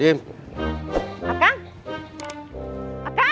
semua barang dagang mang ocad